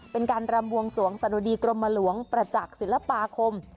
เป็นการรำบวงสวงสะดุดีกรมหลวงประจักษ์ศิลปาคม